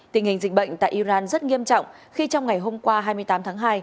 tình hình dịch bệnh tại iran rất nghiêm trọng khi trong ngày hôm qua hai mươi tám tháng hai